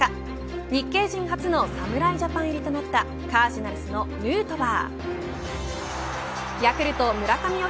日系人初の侍ジャパン入りとなったカージナルスのヌートバー。